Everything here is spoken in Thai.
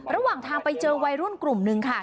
ระหว่างทางไปเจอวัยรุ่นกลุ่มนึงค่ะ